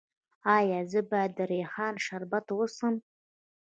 ایا زه باید د ریحان شربت وڅښم؟